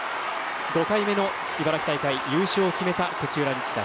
５回目の茨城大会優勝を決めた土浦日大。